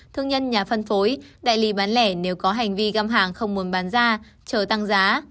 thương nhân nhà phân phối đại lý bán lẻ nếu có hành vi găm hàng không muốn bán ra chờ tăng giá